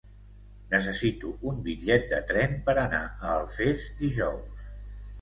Necessito un bitllet de tren per anar a Alfés dijous.